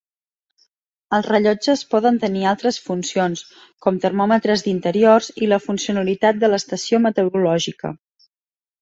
Els rellotges poden tenir altres funcions, com termòmetres d'interiors i la funcionalitat de l'estació meteorològica.